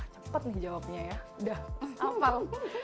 cepet nih jawabnya ya udah hafal